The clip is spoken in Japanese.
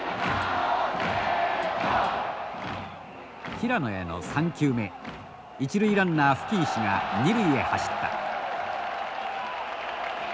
平野への３球目一塁ランナー吹石が二塁へ走った。